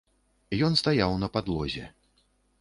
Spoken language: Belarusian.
Ён стаяў на падлозе.